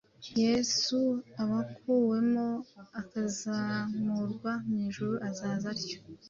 Yesu, ubakuwemo akazamurwa mu ijuru, azaza atyo,